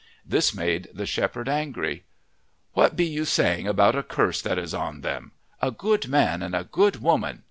This made the shepherd angry. "What be you saying about a curse that is on them? a good man and a good woman!"